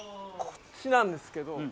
こちらなんですけども。